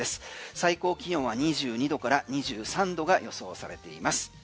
最高気温は２２度から２３度が予想されています。